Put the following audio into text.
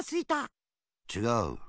ちがう。